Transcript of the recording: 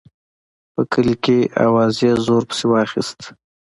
په کلي کې اوازې زور پسې واخیست.